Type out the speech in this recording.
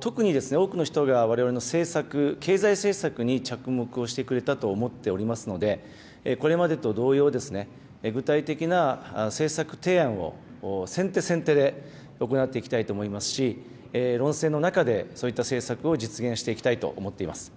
特に多くの人がわれわれの政策、経済政策に着目をしてくれたと思っておりますので、これまでと同様、具体的な政策提案を、先手先手で行っていきたいと思いますし、論戦の中で、そういった政策を実現していきたいと思っております。